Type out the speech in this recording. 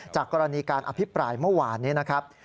กรณีการอภิปรายเมื่อวานนี้นะครับ